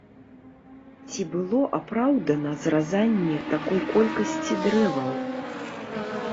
Ці было апраўдана зразанне такой колькасці дрэваў?